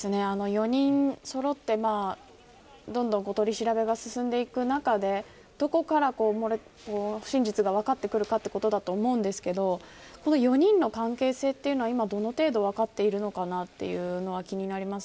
４人そろってどんどん取り調べが進んでいく中でどこから真実が分かってくるかということだと思いますがこの４人の関係性というのはどの程度、分かっているのかなというのは気になります。